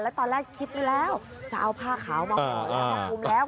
แล้วตอนแรกคิดไม่แล้วจะเอาผ้าขาวมาห่วงแล้ว